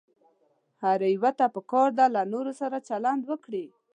هر يوه ته پکار ده له نورو سره چلند وکړي.